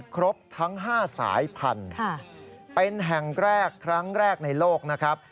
ครบทั้ง๕สายพันธุ์เป็นแห่งแรกครั้งแรกในโลกนะครับ